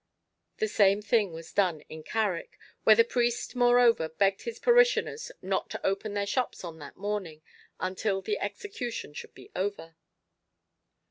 The same thing was done in Carrick, where the priest moreover begged his parishioners not to open their shops on that morning until the execution should be over.